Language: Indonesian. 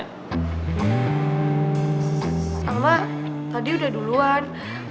rahma tadi udah duluan